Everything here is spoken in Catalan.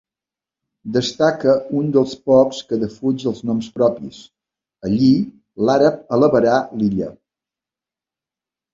Destaca un dels pocs que defuig els noms propis: «Allí l'àrab alabarà l'illa».